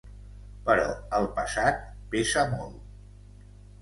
Però el passat pesa molt.